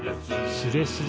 「スレスレ」